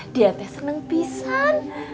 dia teh seneng pisah